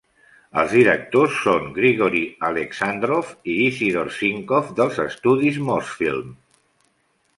Els directors són Grigori Aleksandrov i Isidor Simkov dels estudis Mosfilm.